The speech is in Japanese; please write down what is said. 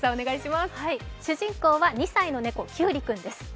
主人公は２歳の猫、きゅうりくんです。